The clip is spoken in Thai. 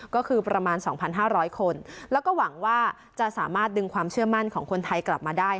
ก็คือประมาณ๒๕๐๐คนแล้วก็หวังว่าจะสามารถดึงความเชื่อมั่นของคนไทยกลับมาได้